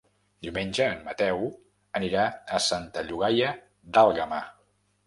Diumenge en Mateu anirà a Santa Llogaia d'Àlguema.